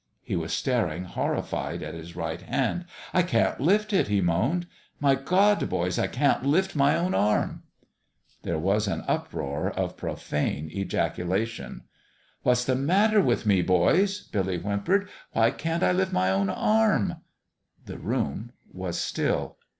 He was staring horrified at his right hand. " I can't lift it !" he moaned. " My God, boys, I can't lift my own arm !" There was an uproar of profane ejaculation. "What's the matter with me, boys?" Billy whimpered. " Why can't I lift my own arm?" The room was still.